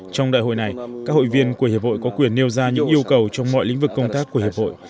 trong đại hội này các hội viên của hiệp hội có quyền nêu ra những yêu cầu trong mọi lĩnh vực công tác của hiệp hội